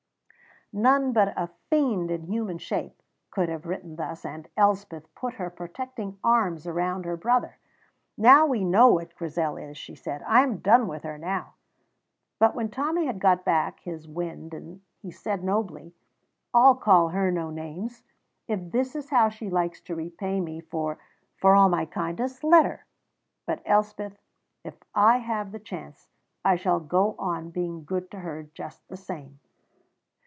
None but a fiend in human shape could have written thus, and Elspeth put her protecting arms round her brother. "Now we know what Grizel is," she said. "I am done with her now." But when Tommy had got back his wind he said nobly: "I'll call her no names. If this is how she likes to repay me for for all my kindnesses, let her. But, Elspeth, if I have the chance, I shall go on being good to her just the same."